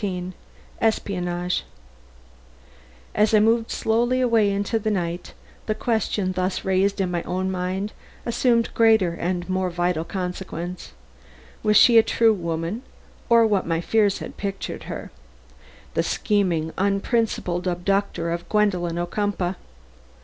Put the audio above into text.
XIV ESPIONAGE As I moved slowly away into the night the question thus raised in my own mind assumed greater and more vital consequence. Was she a true woman or what my fears pictured her the scheming, unprincipled abductor of Gwendolen Ocumpaugh?